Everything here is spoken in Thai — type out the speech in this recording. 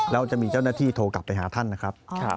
แล้วจะมีเจ้าหน้าที่โทรกลับไปหาท่านนะครับ